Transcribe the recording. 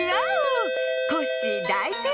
コッシーだいせいかい！